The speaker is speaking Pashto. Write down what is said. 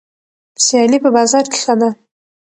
سیالي په بازار کې ښه ده.